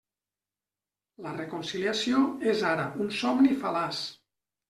La reconciliació és ara un somni fal·laç.